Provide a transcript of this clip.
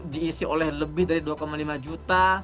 diisi oleh lebih dari dua lima juta